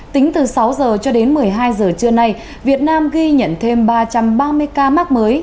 tính từ sáu h cho đến một mươi hai giờ trưa nay việt nam ghi nhận thêm ba trăm ba mươi ca mắc mới